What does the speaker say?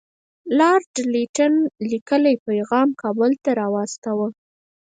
لارډ لیټن لیکلی پیغام کابل ته واستاوه.